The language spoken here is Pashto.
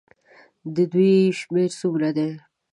د دوی شمېر څومره دی.